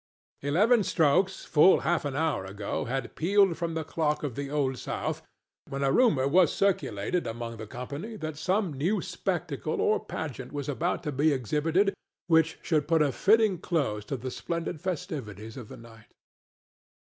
Eleven strokes full half an hour ago had pealed from the clock of the Old South, when a rumor was circulated among the company that some new spectacle or pageant was about to be exhibited which should put a fitting close to the splendid festivities of the night.